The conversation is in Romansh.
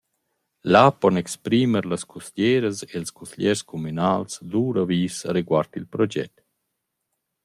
Là pon exprimer las cusglieras e’ls cusgliers cumünals lur avis areguard il proget.